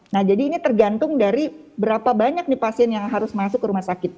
nah jadi ini tergantung dari berapa banyak nih pasien yang harus masuk ke rumah sakit